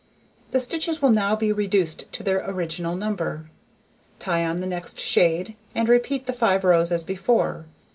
The stitches will now be reduced to their original number. Tie on the next shade, and repeat the 5 rows as before.